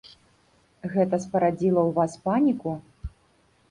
Гэта спарадзіла ў вас паніку?